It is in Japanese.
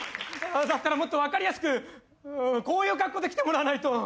だったらもっと分かりやすくこういう格好で来てもらわないと。